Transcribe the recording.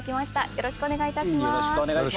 よろしくお願いします。